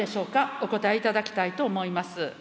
お答えいただきたいと思います。